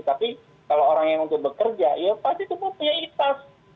tapi kalau orang yang untuk bekerja ya pasti cuma punya itas